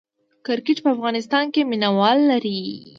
کرکټ په افغانستان کې مینه وال لري